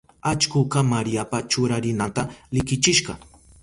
Allkuka Mariapa churarinanta likichishka.